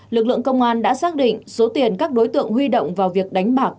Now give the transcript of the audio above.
lực lượng công an đã xác định số tiền các đối tượng huy động vào việc đánh bạc